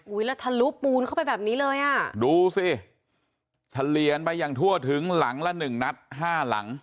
แล้วทะลุปูนเข้าไปแบบนี้เลยอ่ะดูสิเฉลี่ยไปอย่างทั่วถึงหลังละหนึ่งนัดห้าหลัง